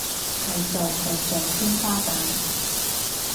係做就做天花板